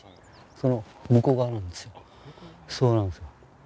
そうなんですよ。